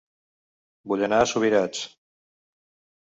Vull anar a Subirats